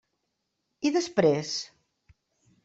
I després?